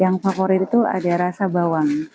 yang favorit itu ada rasa bawang